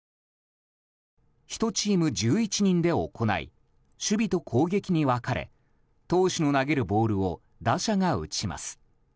１チーム１１人で行い守備と攻撃に分かれ投手の投げるボールを打者が打ちます。